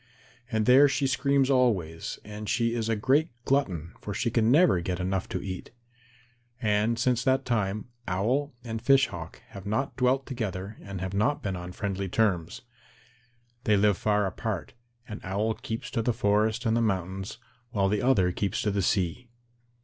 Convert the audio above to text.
And there she screams always, and she is a great glutton, for she can never get enough to eat. And since that time, Owl and Fish Hawk have not dwelt together and have not been on friendly terms. They live far apart, and Owl keeps to the forest and the mountains, while the other keeps to the sea.